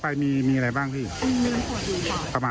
เราต้องมายิ่งไปแล้วก็ก็วิ่งกลับมากระเช่ากระเป๋า